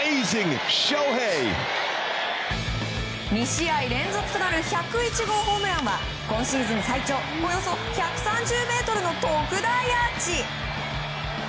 ２試合連続となる１０１号ホームランは今シーズン最長およそ１３０ｍの特大アーチ。